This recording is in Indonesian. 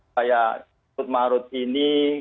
seperti tut marut ini